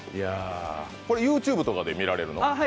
これＹｏｕＴｕｂｅとかで見られるの？